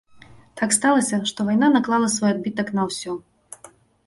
Так сталася, што вайна наклала свой адбітак на ўсё.